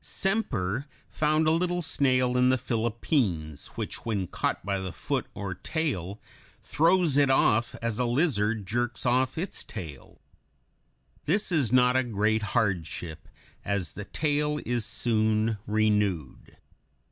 Semper found a little snail in the Philippines, which when caught by the foot or "tail" throws it off as a lizard jerks off its tail. This is not a great hardship, as the tail is soon renewed.